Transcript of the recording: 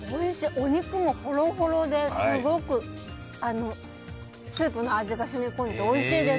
お肉もほろほろで、すごくスープの味が染み込んでいておいしいです。